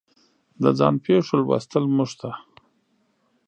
د ځان پېښو لوستل موږ ته